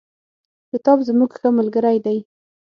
کتاب زموږ ښه ملگری دی.